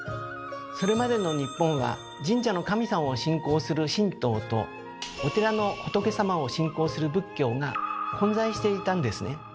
それまでの日本は神社の神様を信仰する「神道」とお寺の仏様を信仰する「仏教」が混在していたんですね。